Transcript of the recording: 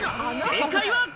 正解は。